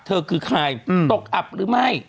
เธอคือใครตกอับหรือไม่